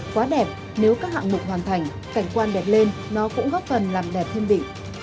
quá đẹp nếu các hạng mục hoàn thành cảnh quan đẹp lên nó cũng góp phần làm đẹp thiên bị